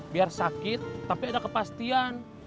biar sakit tapi ada kepastian